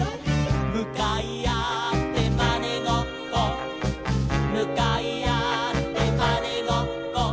「むかいあってまねごっこ」「むかいあってまねごっこ」